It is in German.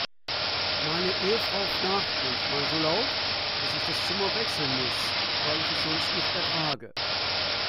Meine Ehefrau schnarcht manchmal so laut, dass ich das Zimmer wechseln muss, weil ich es sonst nicht ertrage.